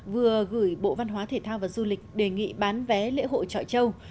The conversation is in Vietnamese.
vừa gửi bộ văn hóa thể thao và du lịch đề nghị bán vé lễ hội trọi châu